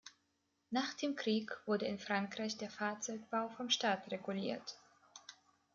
Nach dem Krieg wurde in Frankreich der Fahrzeugbau vom Staat reguliert.